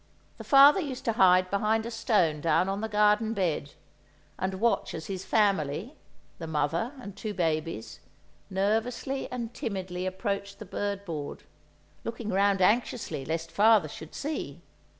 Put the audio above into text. The father used to hide behind a stone down on the garden bed, and watch as his family—the mother and two babies—nervously and timidly approached the bird board, looking round anxiously lest father should see!